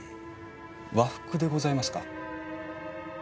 和服でございますか？